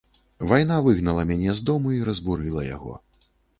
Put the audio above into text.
Вайна выгнала мяне з дому і разбурыла яго.